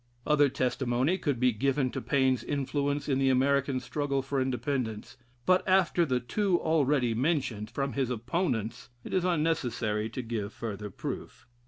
Other testimony could be given to Paine's influence in the American struggle for Independence; but after the two already mentioned from his opponents, it is unnecessary to give further proof.